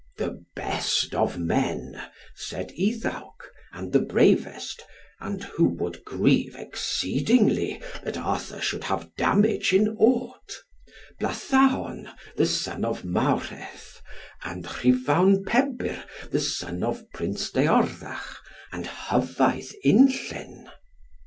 "The best of men," said Iddawc, "and the bravest, and who would grieve exceedingly that Arthur should have damage in aught; Blathaon, the son of Mawrheth, {124a} and Rhuvawn Pebyr the son of Prince Deorthach, and Hyveidd Unllenn."